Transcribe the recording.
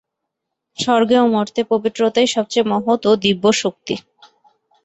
স্বর্গে ও মর্ত্যে পবিত্রতাই সবচেয়ে মহৎ ও দিব্য শক্তি।